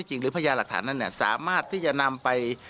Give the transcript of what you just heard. หรือพญาหลักฐานนั้นสามารถที่จะนำไป